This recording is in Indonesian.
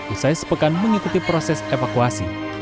usai sepekan mengikuti proses evakuasi